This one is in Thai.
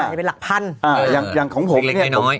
ให้เป็นหลักพันอ่าอย่างอย่างของผมเนี้ยเล็กเล็กน้อยน้อย